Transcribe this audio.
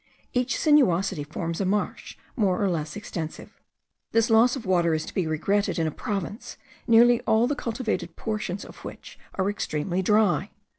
Each sinuosity forms a marsh more or less extensive. This loss of water is to be regretted in a province, nearly all the cultivated portions of which are extremely dry.